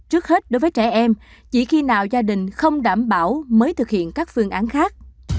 trước hết đối với trẻ em chỉ khi nào gia đình không đảm bảo mới thực hiện các phương án khác